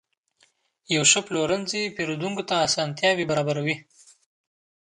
یو ښه پلورنځی پیرودونکو ته اسانتیا برابروي.